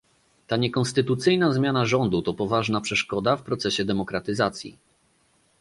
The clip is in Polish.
Ta niekonstytucyjna zmiana rządu to poważna przeszkoda w procesie demokratyzacji